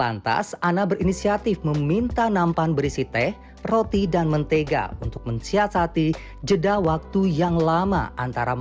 lantas anna berinisiatif meminta nampan berisi teh roti dan mentega untuk mensiasati jeda waktu yang lama antara makan siang dan makan malam